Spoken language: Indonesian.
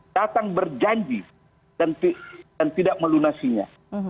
datang berjanji dan tidak melunasinya